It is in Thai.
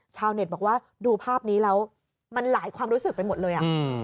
ชาวเน็ตบอกว่าดูภาพนี้แล้วมันหลายความรู้สึกไปหมดเลย